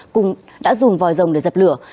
cùng đã dùng vòi rồng để dập lửa